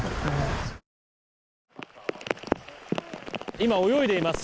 今、泳いでいます。